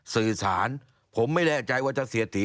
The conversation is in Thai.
สื่อสารผมไม่แน่ใจว่าจะเสียตี